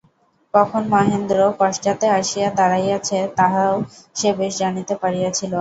কখন মহেন্দ্র পশ্চাতে আসিয়া দাঁড়াইয়াছে তাহাও সে বেশ জানিতে পারিয়াছিল।